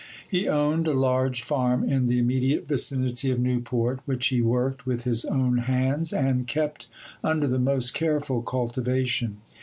He owned a large farm in the immediate vicinity of Newport, which he worked with his own hands and kept under the most careful cultivation.